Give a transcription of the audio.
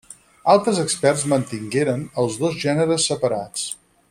Altres experts mantingueren els dos gèneres separats.